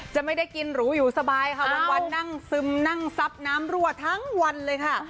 จะไม่ได้กินหรูอยู่สบายค่ะวันนั่งซึมนั่งซับน้ำรั่วทั้งวันเลยค่ะ